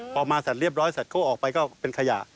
พอมาแสดเรียบร้อยแสดโค้กออกไปก็เป็นขยะ